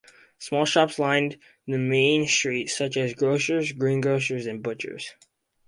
Small shops lined the Main Street, such as grocers, greengrocers and butchers.